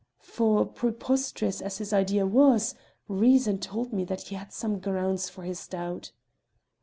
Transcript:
For preposterous as his idea was, reason told me that he had some grounds for his doubt.